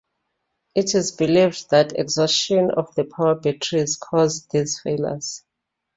It is believed that exhaustion of the power batteries caused these failures.